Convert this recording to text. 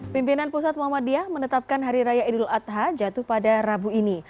pimpinan pusat muhammadiyah menetapkan hari raya idul adha jatuh pada rabu ini